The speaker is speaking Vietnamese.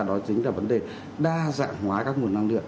đó chính là vấn đề đa dạng hóa các nguồn năng lượng